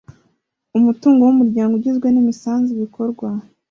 Umutungo w Umuryango ugizwe n imisanzu ibikorwa